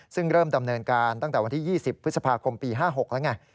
ซึ่งเริ่มดำเนินการตั้งแต่วันที่๒๐พฤษภาคมปี๕๖แล้วไง